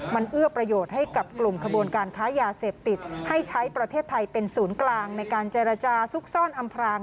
มันเอื้อประโยชน์ให้กับกลุ่มขบวนการค้ายาเสพติดให้ใช้ประเทศไทยเป็นศูนย์กลางในการเจรจาซุกซ่อนอำพราง